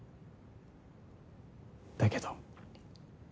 だけど。